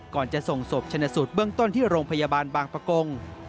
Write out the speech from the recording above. ก่อนจะส่งศพชนะสูตรเบื้องต้นที่โรงพยาบาลบางประกง